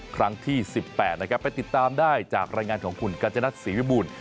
ครั้งที่๑๘นะครับไปติดตามได้จากรายงานของคุณกัญจนัทศรีวิบูรณ์